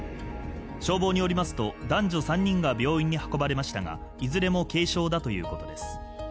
消防によりますと、男女３人が病院に運ばれましたが、いずれも軽傷だということです。